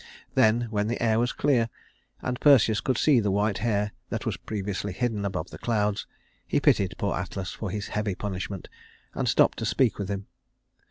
Then, when the air was clear, and Perseus could see the white hair that was previously hidden above the clouds, he pitied poor Atlas for his heavy punishment and stopped to speak with him.